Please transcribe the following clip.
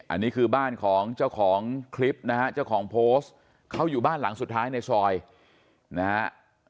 อันนี้คือบ้านของเจ้าของคลิปนะฮะเจ้าของโพสต์เขาอยู่บ้านหลังสุดท้ายในซอยนะฮะ